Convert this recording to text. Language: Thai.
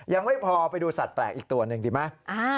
ยังไม่พอไปดูสัตว์แปลกอีกตัวหนึ่งดีไหม